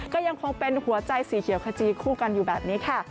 ก็ยังคงเป็นหัวใจสีเขียวขจีคู่กันอยู่แบบนี้ค่ะ